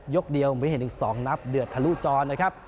ยกเดียวไม่เห็นหนึ่งสองนับเดือดทะลุจรเลยครับ